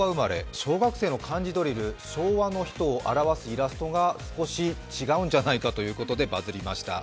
小学生の漢字ドリル、昭和の人を表すイラストが少し違うんじゃないかということでバズりました。